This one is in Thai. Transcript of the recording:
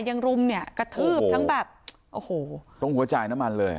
รุมเนี่ยกระทืบทั้งแบบโอ้โหตรงหัวจ่ายน้ำมันเลย